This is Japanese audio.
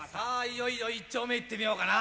いよいよ一丁目いってみようかな。